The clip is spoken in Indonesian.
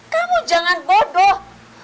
kamu jangan bodoh